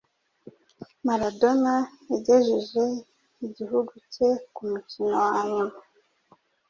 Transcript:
Maradona yagejeje igihugu cye ku mukino wa nyuma